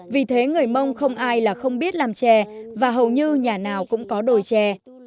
vì thế người mông không ai là không biết làm trè và hầu như nhà nào cũng có đồi trè